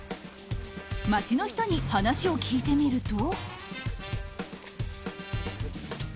街の人に話を聞いてみると。